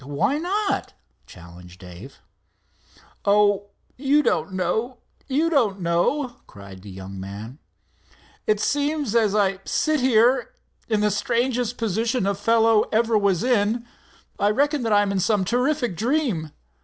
"Why not?" challenged Dave. "Oh, you don't know, you don't know!" cried the young man. "It seems as I sit here, in the strangest position a fellow ever was in, I reckon, that I'm in some terrific dream.